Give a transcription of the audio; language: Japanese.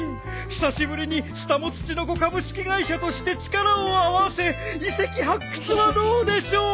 久しぶりにスタモツチノコ株式会社として力を合わせ遺跡発掘はどうでしょう！